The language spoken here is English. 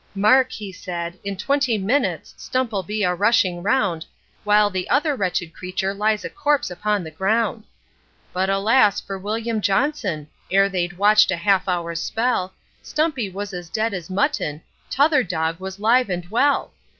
'Mark,' he said, 'in twenty minutes Stump'll be a rushing round, While the other wretched creature lies a corpse upon the ground.' But, alas for William Johnson! ere they'd watched a half hour's spell Stumpy was as dead as mutton, t'other dog was live and well.